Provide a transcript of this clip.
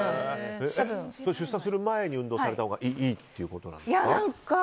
出産する前に運動されたほうがいいということですか？